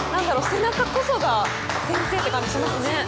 背中こそが先生って感じしますね。